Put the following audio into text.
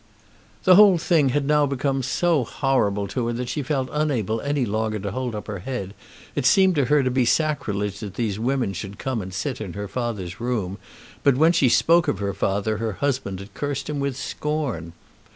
The whole thing had now become so horrible to her that she felt unable any longer to hold up her head. It seemed to her to be sacrilege that these women should come and sit in her father's room; but when she spoke of her father her husband had cursed him with scorn!